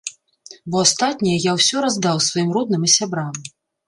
Бо астатняе я ўсё раздаў сваім родным і сябрам.